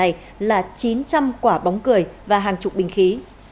tổng số tăng vật thu giữ tại hai cơ sở này là chín trăm linh quả bóng cười và hàng chục bình khí